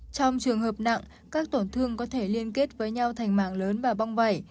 trong trường hợp nặng các tổn thương có thể liên kết với nhau thành mạng lớn và bong vẩy